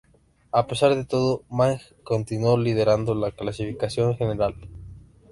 A pesar de todo, Mang continua liderando la clasificación general.